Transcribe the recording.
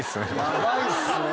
ヤバいっすね。